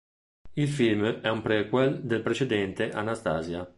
Il film è un prequel del precedente, "Anastasia".